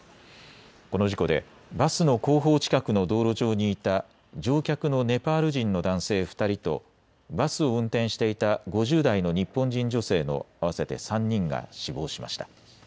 この事故でバスの後方近くの道路上にいた乗客のネパール人の男性２人とバスを運転していた５０代の日本人女性の合わせて３人が死亡しました。